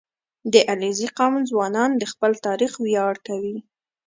• د علیزي قوم ځوانان د خپل تاریخ ویاړ کوي.